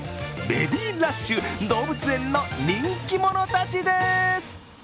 ベビーラッシュ、動物園の人気者たちです。